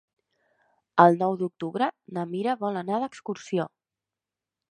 El nou d'octubre na Mira vol anar d'excursió.